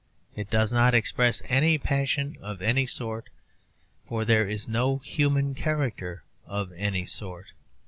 It does not express any passion of any sort, for there is no human character of any sort.